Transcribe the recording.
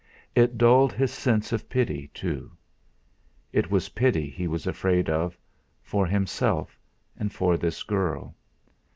It dulled his sense of pity, too. It was pity he was afraid of for himself, and for this girl.